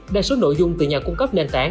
đa số nội dung từ nhà cung cấp nền tảng